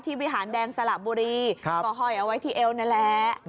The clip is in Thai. วิหารแดงสละบุรีก็ห้อยเอาไว้ที่เอวนั่นแหละ